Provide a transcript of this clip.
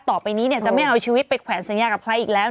ต่อไปนี้จะไม่เอาชีวิตไปแขวนสัญญากับใครอีกแล้ว